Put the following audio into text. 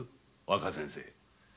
若先生。